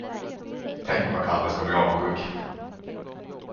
Tänk vad Kalle ska bli avundsjuk!